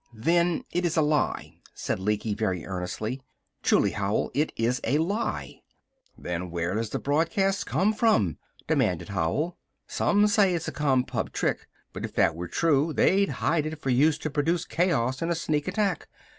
"Then it is a lie," said Lecky, very earnestly. "Truly, Howell, it is a lie!" "Then where does the broadcast come from?" demanded Howell. "Some say it's a Compub trick. But if they were true they'd hide it for use to produce chaos in a sneak attack.